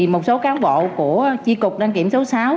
một số cán bộ của tri cục đăng kiểm số sáu